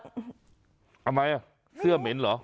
ทำไมเสื้อเหม็นเหรอ